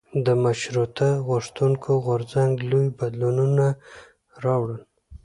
د مشروطه غوښتونکو غورځنګ لوی بدلونونه راوړل.